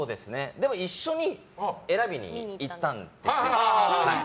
一緒に選びに行ったんですよ。